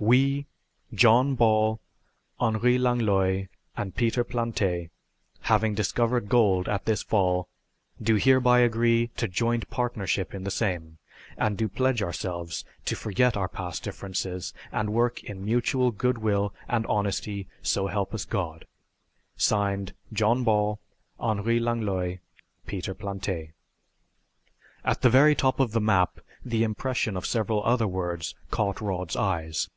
"We, John Ball, Henri Langlois, and Peter Plante, having discovered gold at this fall, do hereby agree to joint partnership in the same, and do pledge ourselves to forget our past differences and work in mutual good will and honesty, so help us God. Signed, "JOHN BALL, HENRI LANGLOIS, PETER PLANTE." At the very top of the map the impression of several other words caught Rod's eyes.